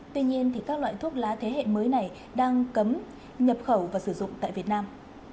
tuy nhiên các loại thuốc lá thế hệ mới này đang cấm nhập khẩu và sử dụng tại việt nam